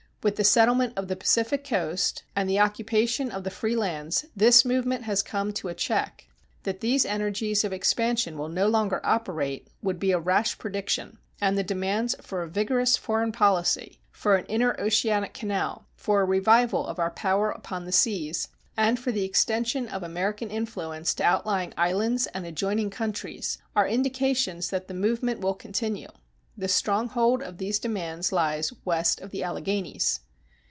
With the settlement of the Pacific coast and the occupation of the free lands, this movement has come to a check. That these energies of expansion will no longer operate would be a rash prediction; and the demands for a vigorous foreign policy, for an interoceanic canal, for a revival of our power upon the seas, and for the extension of American influence to outlying islands and adjoining countries, are indications that the movement will continue. The stronghold of these demands lies west of the Alleghanies.